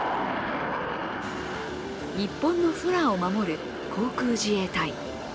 日本の空を守る航空自衛隊。